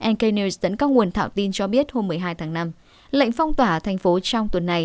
engel dẫn các nguồn thạo tin cho biết hôm một mươi hai tháng năm lệnh phong tỏa thành phố trong tuần này